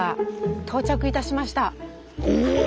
到着いたしました。